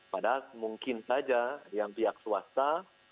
padahal mungkin saja yang pihak swasta